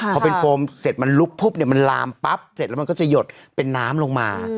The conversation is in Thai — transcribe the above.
พอเป็นโฟมเสร็จมันลุกปุ๊บเนี่ยมันลามปั๊บเสร็จแล้วมันก็จะหยดเป็นน้ำลงมา